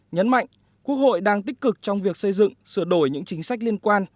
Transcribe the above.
nhấn mạnh quốc hội đang tích cực trong việc xây dựng sửa đổi những chính sách liên quan